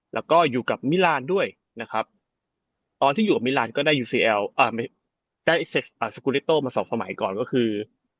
แล้วก็อยู่กับมิรานด์ด้วยนะครับตอนที่อยู่กับมิรานด์ก็ได้อิสเซคสกุเล็ตโตมาสองสมัยก่อนก็คือ